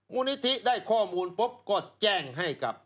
มูลนิธิได้ข้อมูลปุ๊บก็แจ้งให้กับ